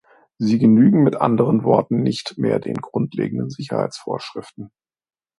Sie genügen mit anderen Worten nicht mehr den grundlegenden Sicherheitsvorschriften.